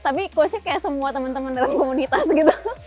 tapi coachnya kayak semua temen temen dalam komunitas gitu